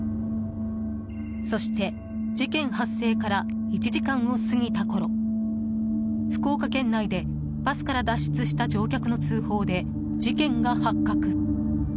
そして、事件発生から１時間を過ぎたころ福岡県内でバスから脱出した乗客の通報で、事件が発覚。